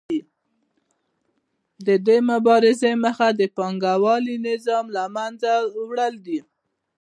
د دې مبارزې موخه د پانګوالي نظام له منځه وړل دي